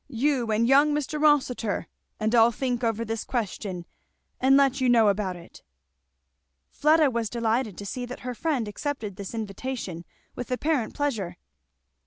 you and young Mr. Rossitur? and I'll think over this question and let you know about it." Fleda was delighted to see that her friend accepted this invitation with apparent pleasure.